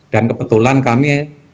dan kebetulan kami